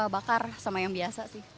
bakar sama yang biasa sih